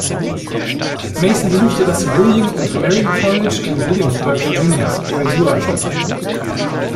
Mason besuchte das William und Mary College in Williamsburg, Virginia, wo er Jura studierte.